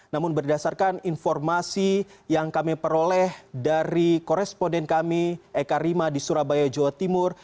namun berdasarkan informasi yang kami peroleh dari koresponden kami eka rima di surabaya jawa timur